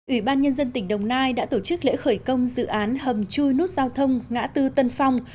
ủy ban nhân dân tỉnh đồng nai đã tổ chức lễ khởi công dự án hầm chui nút giao thông ngã tư tân phong